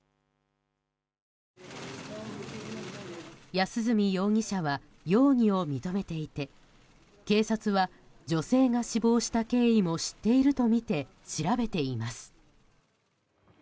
安栖容疑者は容疑を認めていて警察は、女性が死亡した経緯も知っているとみて調べています。